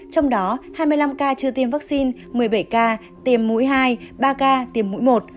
trong đó hai mươi năm ca chưa tiêm vaccine một mươi bảy ca tiềm mũi hai ba ca tiềm mũi một